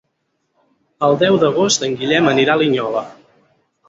El deu d'agost en Guillem anirà a Linyola.